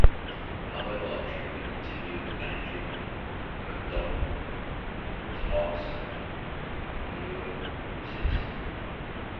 However, during an interview with Andrew Marr, McDonnell was asked are you a Marxist?